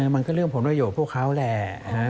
มันก็เรื่องผลประโยชน์พวกเขาแหละ